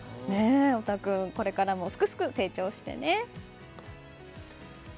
桜太君これからもすくすく成長してね。